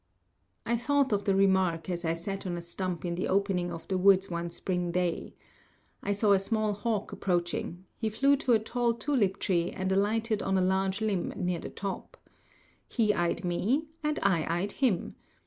I thought of the remark as I sat on a stump in the opening of the woods one spring day. I saw a small hawk approaching; he flew to a tall tulip tree and alighted on a large limb near the top. He eyed me and I eyed him.